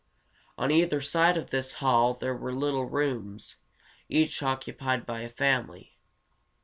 On either side of this hall there were little rooms, each occupied by a family.